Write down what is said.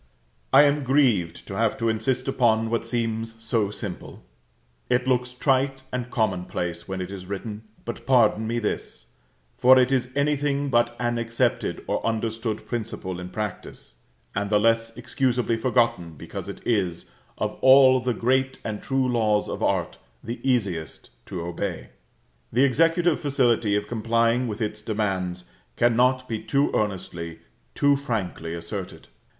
I am grieved to have to insist upon what seems so simple; it looks trite and commonplace when it is written, but pardon me this: for it is anything but an accepted or understood principle in practice, and the less excusably forgotten, because it is, of all the great and true laws of art, the easiest to obey. The executive facility of complying with its demands cannot be too earnestly, too frankly asserted.